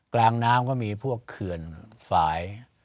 กลางน้ำก็มีพวกเขื่อนฝ่าย